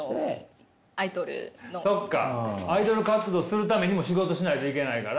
アイドル活動するためにも仕事しないといけないから。